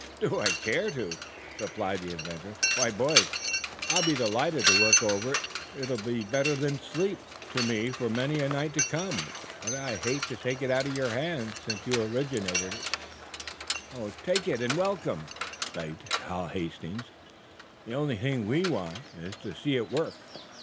"Do I care to?" repeated the inventor. "Why, boys, I'll be delighted to work over it. It'll be better than sleep to me for many a night to come. But I hate to take it out of your hands, since you originated it." "Take it and welcome," begged Hal Hastings. "The only thing we want is to see it work."